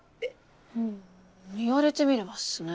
うん言われてみればっすね。